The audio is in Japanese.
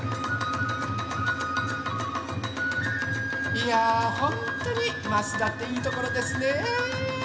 いやほんとに益田っていいところですね。